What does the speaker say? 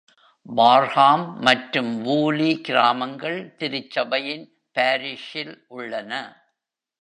Barham மற்றும் வூலி கிராமங்கள் திருச்சபையின் பாரிஷில் உள்ளன.